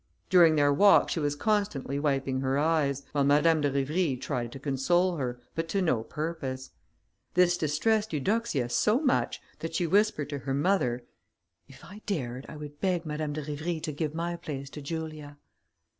During their walk she was constantly wiping her eyes, while Madame de Rivry tried to console her, but to no purpose. This distressed Eudoxia so much, that she whispered to her mother, "If I dared, I would beg Madame de Rivry to give my place to Julia."